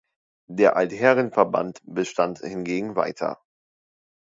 Der Altherrenverband bestand hingegen weiter.